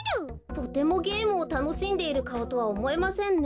とてもゲームをたのしんでいるかおとはおもえませんね。